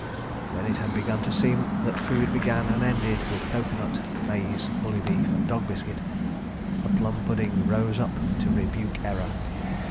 When it had begun to seem that food began and ended with coco nut, maize, bully beef and dog biscuit—a Plum Pudding rose up to rebuke error.